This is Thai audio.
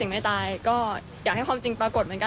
ไม่เคยค่ะ